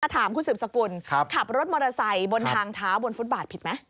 ถามคุณสืบสกุลขับรถมอเตอร์ไซค์บนทางเท้าบนฟุตบาทผิดไหม